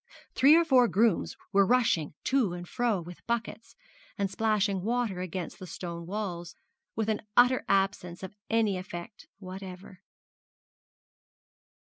Three or four grooms were rushing to and fro with buckets, and splashing water against the stone walls, with an utter absence of any effect whatever.